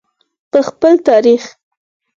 په خپل تاریخ.